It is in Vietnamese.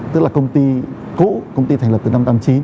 tức là công ty cũ công ty thành lập từ năm trăm tám mươi chín